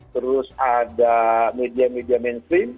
terus ada media media mainstream